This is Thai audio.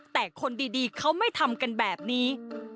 แต่คนดีเขาไม่ทำกันแบบนี้